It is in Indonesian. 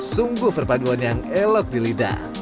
sungguh perpaduan yang elok di lidah